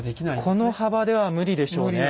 この幅では無理でしょうね。